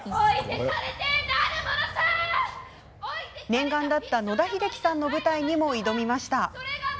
念願だった野田秀樹さんの舞台にも挑みました。